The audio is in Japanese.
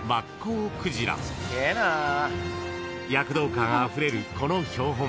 ［躍動感あふれるこの標本］